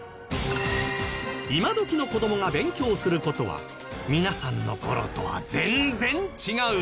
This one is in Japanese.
今どきの子どもが勉強する事は皆さんの頃とは全然違うんです